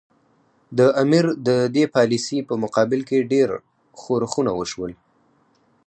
د امیر د دې پالیسي په مقابل کې ډېر ښورښونه وشول.